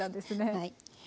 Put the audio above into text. はい。